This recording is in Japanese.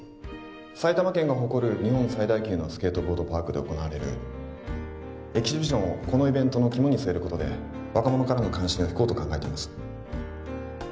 埼玉県が誇る日本最大級のスケートボードパークで行われるエキシビションをこのイベントの肝に据えることで若者からの関心を引こうと考えています